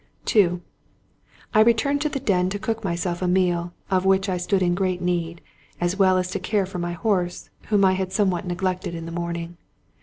II I RETURNED to the den to cook myself a meal, of which. I stood in great need, as well as to care for my horse, whom I had somewhat neglected in the morning.